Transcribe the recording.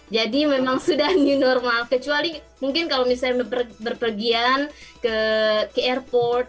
jadi memang sudah new normal kecuali mungkin kalau misalnya berpergian ke airport